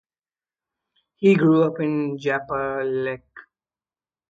He grew up in Japelaq.